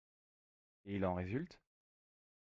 Et il en résulte ?